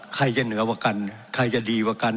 ใครจะเหนือกว่ากันใครจะดีกว่ากัน